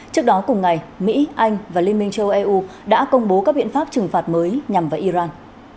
trước đó cùng ngày mỹ anh và liên minh châu âu đã công bố các biện pháp trừng phạt mới nhằm vào iran